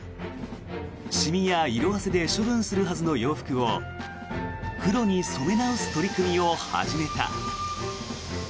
染みや色あせで処分するはずの洋服を黒に染め直す取り組みを始めた。